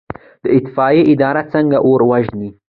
د اطفائیې اداره څنګه اور وژني؟